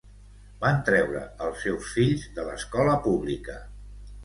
Van treure els seus fills de l'escola pública.